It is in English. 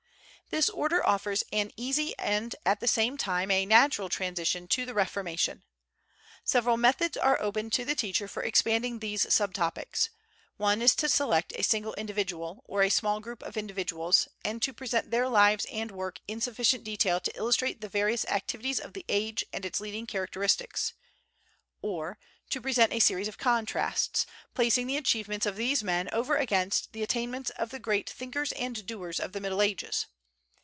This order offers an easy and at the same time a natural transition to the Reformation. Several methods are open to the teacher for expanding these sub topics. One is to select a single individual, or a small group of individuals and to present their lives and work in sufficient detail to illustrate the various activities of the age and its leading characteristics; or to present a series of contrasts, placing the achievements of these men over against the attainments of the great thinkers and doers of the Middle Ages.